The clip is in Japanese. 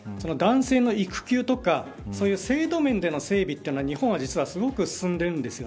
男性の育休とか制度面での整備や日本は実はすごく進んでいるんです。